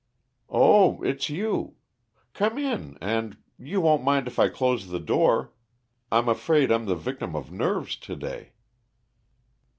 "Oh, it's you. Come in, and you won't mind if I close the door? I'm afraid I'm the victim of nerves, to day."